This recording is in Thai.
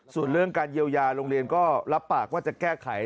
ส่วนเรื่องการเยียวยาโรงเรียนก็รับปากว่าจะแก้ไข